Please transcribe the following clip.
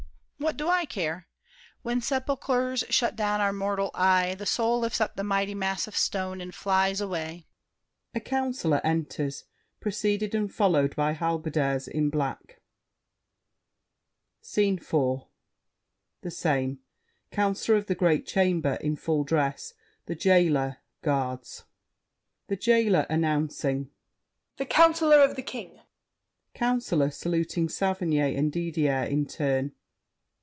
What do I care? When sepulchers shut down our mortal eye, The soul lifts up the mighty mass of stone And flies away— [A Councilor enters, preceded and followed by Halberdiers in black. SCENE IV The same. Councilor of the Great Chamber, in full dress, The Jailer, Guards THE JAILER (announcing). The Councilor of the King! COUNCILOR (saluting Saverny and Didier in turn).